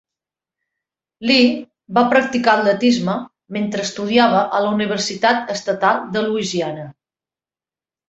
Lee va practicar atletisme mentre estudiava a la Universitat Estatal de Louisiana.